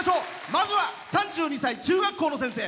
まずは３２歳、中学校の先生。